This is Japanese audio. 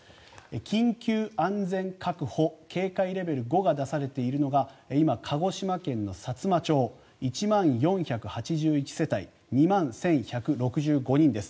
緊急安全確保、警戒レベル５が出されているのが今、鹿児島県のさつま町１万４８１世帯２万１１６５人です。